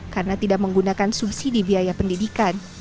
karena tidak menggunakan subsidi biaya pendidikan